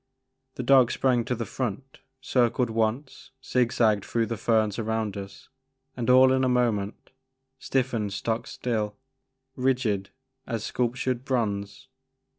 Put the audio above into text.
The dog sprang to the front, circled once, zig zagged through the ferns around us and, all in a moment, stiffened stock still, rigid as sculptured bronze.